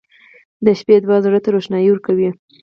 • د شپې دعا زړه ته روښنایي ورکوي.